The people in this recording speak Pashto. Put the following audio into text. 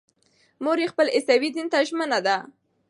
مور یې خپل عیسوي دین ته ژمنه ده.